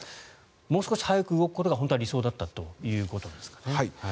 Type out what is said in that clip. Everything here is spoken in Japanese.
もう少し早く動くことが本当は理想だったということですかね。